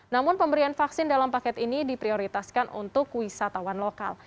namun pemberian vaksin dalam paket ini diprioritaskan untuk wisatawan lokal